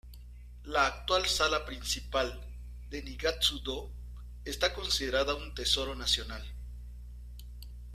La actual sala principal de Nigatsu-dō está considerada un tesoro nacional.